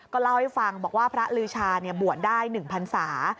เล่าให้ฟังบอกว่าพระลือชาบวชได้๑พันศา